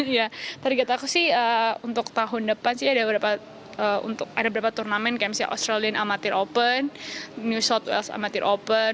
ya target aku sih untuk tahun depan sih ada beberapa turnamen kayak misalnya australian amatir open new south wales amatir open